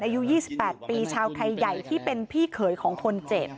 อายุ๒๘ปีชาวไทยใหญ่ที่เป็นพี่เขยของคนเจ็บ